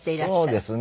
そうですね。